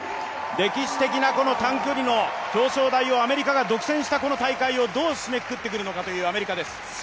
歴史的な、この短距離の表彰台を独占したアメリカのこの大会をどう締めくくってくるのかというアメリカです。